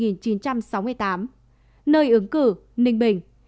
nơi ứng cử ninh bình